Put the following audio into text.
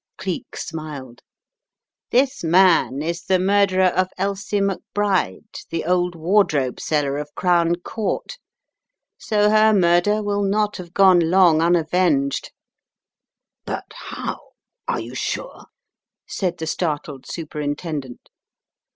Cleek smiled. "This man is the murderer of Elsie McBride, the old wardrobe seller of Crown Court, so her murder will not have gone long unavenged!" "But — how — are you sure?" said the startled Superintendent.